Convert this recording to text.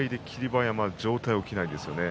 馬山上体、起きないですね。